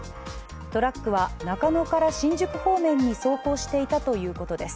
トラックは中野から新宿方面に走行していたということです。